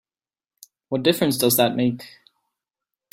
What difference does that make?